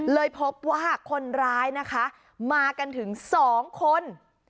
เลยพบว่าคนร้ายนะคะมากันถึง๒คน